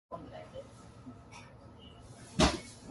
مردوں کو اکثر اس طرح کی مراعات ملتی ہیں جو خواتین کو نہیں ملتیں